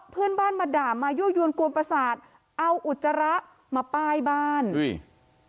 เพื่อนบ้านมาด่ามายั่วยวนกวนประสาทเอาอุจจาระมาป้ายบ้านอุ้ย